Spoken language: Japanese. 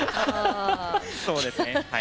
そうですねはい。